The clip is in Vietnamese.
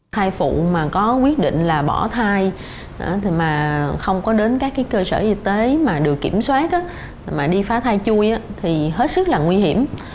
thai phụ mà có quyết định là bỏ thai thì mà không có đến các cơ sở y tế mà được kiểm soát mà đi phá thai chui thì hết sức là nguy hiểm